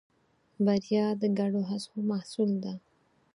بریا د ګډو هڅو محصول ده.